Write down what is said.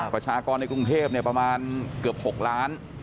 ประชากรในกรุงเทพประมาณเกือบ๖ล้าน